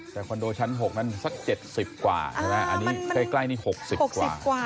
แต่คอนโดชั้น๖นั้นสัก๗๐กว่าใช่ไหมอันนี้ใกล้นี่๖๐กว่า